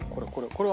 これ。